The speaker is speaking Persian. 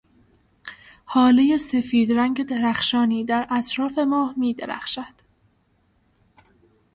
هاله سفید رنگ درخشانی در اطراف ماه می درخشد.